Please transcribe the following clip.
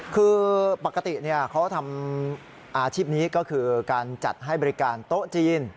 คือปกติเขาทำอาชีพนี้ก็คือการจัดให้บริการโต๊ะจีน